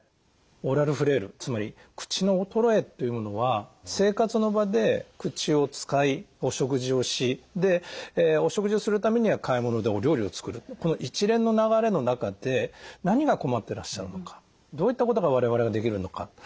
オーラルフレイルつまり口の衰えっていうものは生活の場で口を使いお食事をしでお食事をするためには買い物でお料理を作るこの一連の流れの中で何が困ってらっしゃるのかどういったことが我々ができるのか。